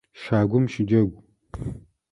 Щагум щыджэгу!